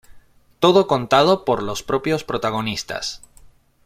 Todo contado por los propios protagonistas.